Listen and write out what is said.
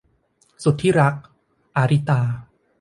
สุดที่รัก - อาริตา